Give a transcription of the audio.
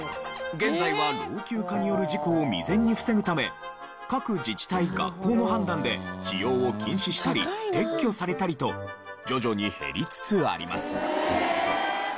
現在は老朽化による事故を未然に防ぐため各自治体・学校の判断で使用を禁止したり撤去されたりと徐々に減りつつあります。